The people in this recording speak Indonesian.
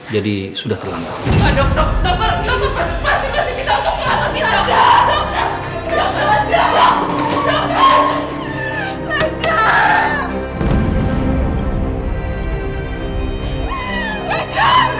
jadi sudah terlambat